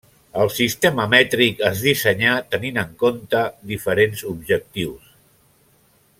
El sistema mètric es dissenyà tenint en compte diferents objectius.